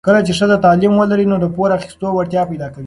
کله چې ښځه تعلیم ولري، نو د پور اخیستو وړتیا پیدا کوي.